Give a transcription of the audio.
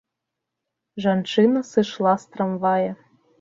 Жанчына сышла з трамвая.